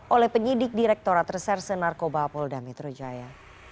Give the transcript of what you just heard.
oleh penyidik direkturat reserse narkoba polda metro jaya